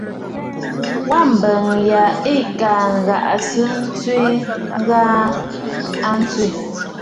Wa mbəŋ yâ ɨ̀ kɨ nàŋsə ntwìʼi gha aa tswìʼì.